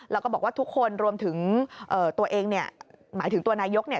แล้วก็บอกว่าทุกคนรวมถึงตัวเองหมายถึงตัวนายกรัฐมนตรี